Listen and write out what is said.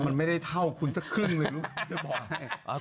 มันไม่ได้เท่าคุณสักครึ่งเลยลูกจะบอกให้